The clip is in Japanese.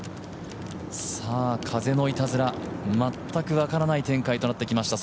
風のいたずら、全く分からない展開となってきました